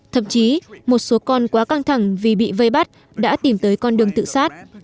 thậm chí một số con quá căng thẳng vì bị vây bắt đã tìm tới con đường tự sát